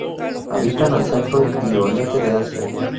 Habitan al centro y oriente de Asia.